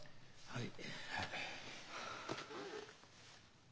はい。